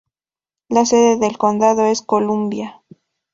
La sede del condado es Columbia.